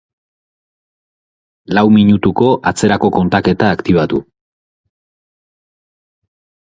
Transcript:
Lau minutuko atzerako kontaketa aktibatu.